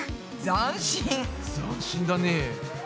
斬新だね。